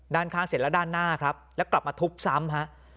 ด้านข้างเสร็จแล้วด้านหน้าครับแล้วกลับมาทุบซ้ำฮะ